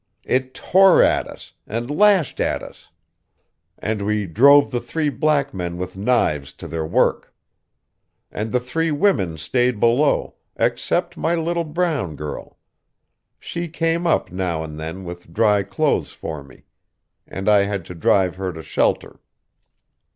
It tore at us, and lashed at us.... And we drove the three black men with knives to their work. And the three women stayed below, except my little brown girl. She came up, now and then, with dry clothes for me.... And I had to drive her to shelter....